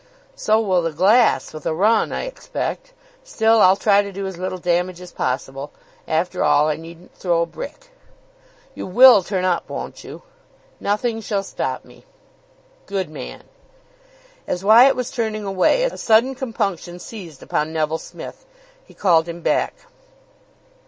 "So will the glass with a run, I expect. Still, I'll try to do as little damage as possible. After all, I needn't throw a brick." "You will turn up, won't you?" "Nothing shall stop me." "Good man." As Wyatt was turning away, a sudden compunction seized upon Neville Smith. He called him back.